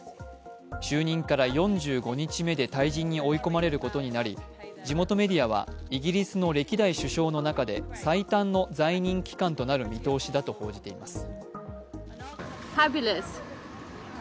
就任から４５日目で退陣に追い込まれることになり地元メディアは、イギリスの歴代首相の中で最短の在任期間となる見通しだと報じています。